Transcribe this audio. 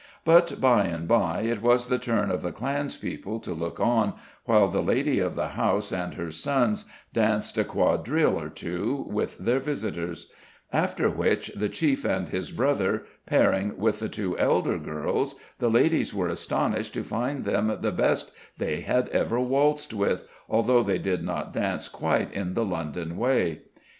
But by and by it was the turn of the clanspeople to look on while the lady of the house and her sons danced a quadrille or two with their visitors; after which the chief and his brother pairing with the two elder girls, the ladies were astonished to find them the best they had ever waltzed with, although they did not dance quite in the London way.